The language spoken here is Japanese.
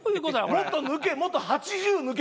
もっと抜け！